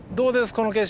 この景色。